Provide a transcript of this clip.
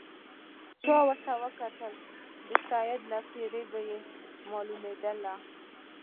چا به ورته وکتل د سید له څېرې به یې معلومېدله.